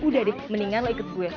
udah deh mendingan lo ikut gue